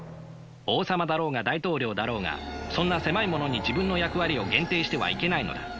王様だろうが大統領だろうがそんな狭いものに自分の役割を限定してはいけないのだ。